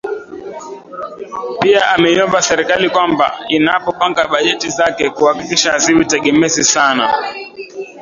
Pia ameiomba Serikali kwamba inapopanga bajeti zake kuhakikisha haziwi tegemezi sana